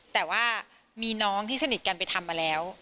แต่ว่ามีน้องที่สนิทกันไปทำมาแล้ว